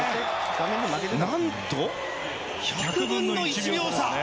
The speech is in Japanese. なんと、１００分の１秒差。